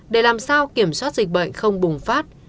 để làm sao kiểm soát dịch bệnh không bùng phát